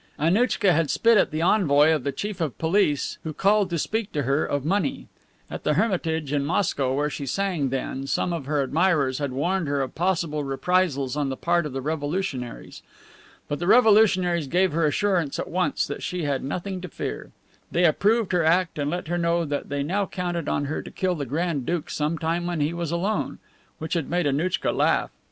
Annouchka had spit at the envoy of the Chief of Police who called to speak to her of money. At the Hermitage in Moscow, where she sang then, some of her admirers had warned her of possible reprisals on the part of the revolutionaries. But the revolutionaries gave her assurance at once that she had nothing to fear. They approved her act and let her know that they now counted on her to kill the Grand Duke some time when he was alone; which had made Annouchka laugh.